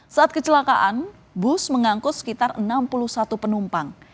saat kecelakaan bus mengangkut sekitar enam puluh satu penumpang